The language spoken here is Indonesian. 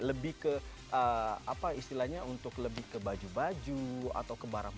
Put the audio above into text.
lebih ke apa istilahnya untuk lebih ke baju baju atau ke barang